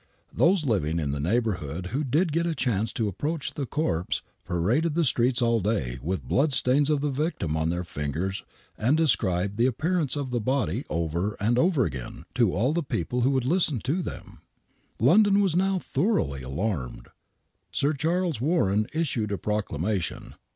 Those living in the neighborhood who did get a chance to approach the corpse paraded the streets all day with bloodstains of the victim on their fingers and described the appearance of the body over and over again to all the people who would listen to them. London was now thoroughly alarmed. Sir Charles Warren issued a proclamation.